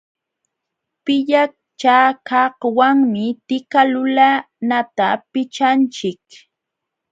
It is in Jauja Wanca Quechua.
Pillachakaqwanmi tika lulanata pichanchik.